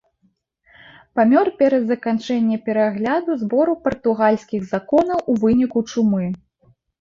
Памёр перад заканчэнне перагляду збору партугальскіх законаў у выніку чумы.